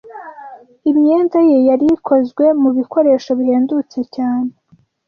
Imyenda ye yari ikozwe mu bikoresho bihendutse cyane.